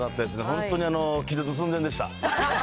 本当に気絶寸前でした。